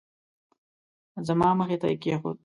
زما مخې ته یې کېښود.